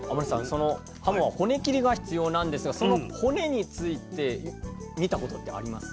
そのはもは骨切りが必要なんですがその骨について見たことってありますか？